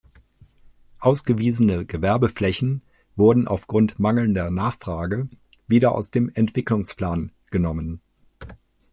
Ausgewiesene Gewerbeflächen wurden aufgrund mangelnder Nachfrage wieder aus dem Entwicklungsplan genommen.